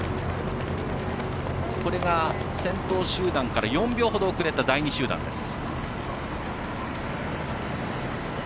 これが、先頭集団から４秒ほど遅れた第２集団です。